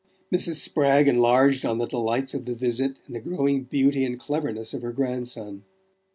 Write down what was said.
Mrs. Spragg enlarged on the delights of the visit and the growing beauty and cleverness of her grandson.